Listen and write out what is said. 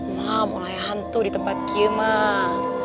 mah mulai hantu di tempat kie mah